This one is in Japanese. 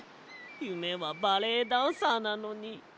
ゆめはバレエダンサーなのに。